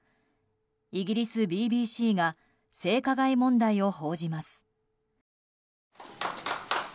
イギリスＢＢＣが性加害問題を報じます。